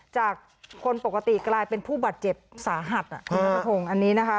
จากคนปกติกลายเป็นผู้บาดเจ็บสาหัสคุณนัทพงศ์อันนี้นะคะ